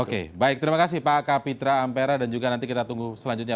oke baik terima kasih pak kapitra ampera dan juga nanti kita tunggu selanjutnya